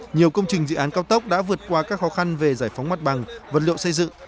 nhiều công trình dự án cao tốc đã vượt qua các khó khăn về giải phóng mặt bằng vật liệu xây dựng